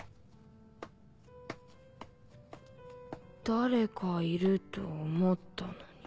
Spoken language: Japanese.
誰かいると思ったのに。